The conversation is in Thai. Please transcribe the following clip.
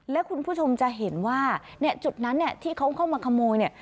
และคุณผู้ชมจะเห็นว่าเนี่ยจุดนั้นเนี่ยที่เขาเข้ามาขโมยเนี่ย